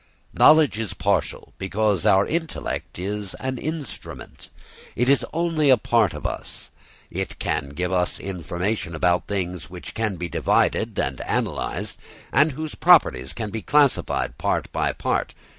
] Knowledge is partial, because our intellect is an instrument, it is only a part of us, it can give us information about things which can be divided and analysed, and whose properties can be classified part by part.